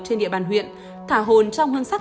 trên địa bàn huyện thả hồn trong hương sắc